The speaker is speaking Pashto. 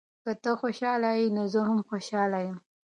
که ته خوشحاله یې، نو زه هم خوشحاله یم.